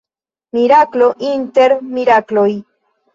Miraklo inter mirakloj.